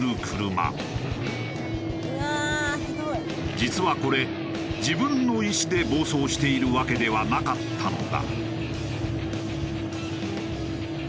実はこれ自分の意思で暴走しているわけではなかったのだ。